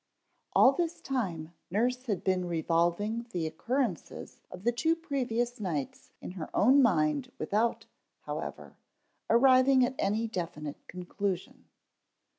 _ ALL this time nurse had been revolving the occurrences of the two previous nights in her own mind without, however, arriving at any definite conclusion.